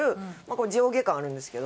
これ上下巻あるんですけど。